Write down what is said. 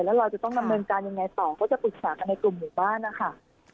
แล้วเราจะต้องดำเนินการยังไงต่อก็จะปรึกษากันในกลุ่มหมู่บ้านนะคะ